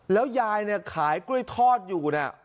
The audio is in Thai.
แล้วยายเนี่ยขายกล้วยทอดอยู่นะ